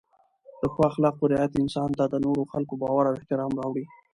د ښو اخلاقو رعایت انسان ته د نورو خلکو باور او احترام راوړي.